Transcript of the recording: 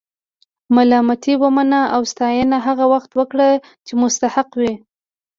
ملامتي ومنه او ستاینه هغه وخت ورکړه چې مستحق وي.